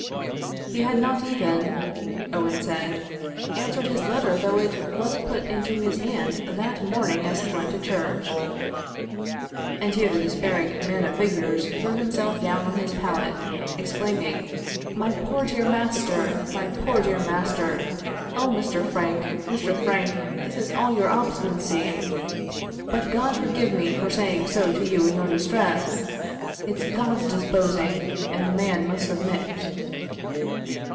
_ He had not even," Owen said, "answered his letter though it was put into his hand that morning as he went to church." And here the despairing man of figures threw himself down on his pallet, exclaiming, "My poor dear master! My poor dear master! O Mr. Frank, Mr. Frank, this is all your obstinacy! But God forgive me for saying so to you in your distress! It's God's disposing, and man must submit."